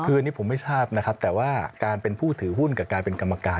คืออันนี้ผมไม่ทราบนะครับแต่ว่าการเป็นผู้ถือหุ้นกับการเป็นกรรมการ